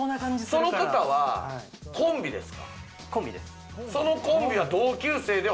その方はコンビです。